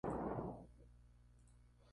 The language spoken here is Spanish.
El origen del topónimo parece de origen vasco.